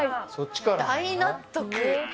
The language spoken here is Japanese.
大納得！